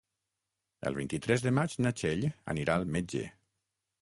El vint-i-tres de maig na Txell anirà al metge.